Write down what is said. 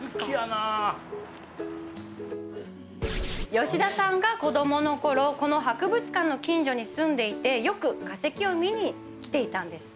吉田さんが子どもの頃この博物館の近所に住んでいてよく化石を見に来ていたんですって。